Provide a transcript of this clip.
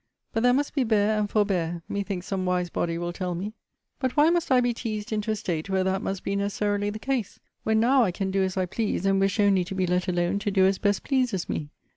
But there must be bear and forbear, methinks some wise body will tell me: But why must I be teased into a state where that must be necessarily the case; when now I can do as I please, and wish only to be let alone to do as best pleases me?